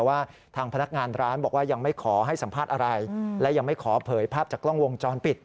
ว่าทางพนักงานร้านบอกว่ายังไม่ขอให้สัมภาษณ์อะไรและยังไม่ขอเผยภาพจากกล้องวงจรปิด